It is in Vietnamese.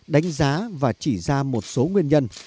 đánh giá và chỉ ra một số nguyên nhân